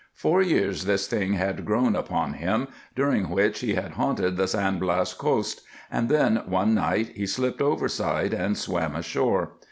Four years this thing had grown upon him, during which he haunted the San Blas coast. And then, one night, he slipped overside and swam ashore.